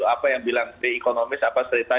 apa yang di economist apa yang seritanya